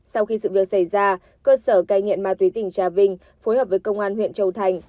sau khi sự việc xảy ra cơ sở cai nghiện ma túy tỉnh trà vinh phối hợp với công an huyện châu thành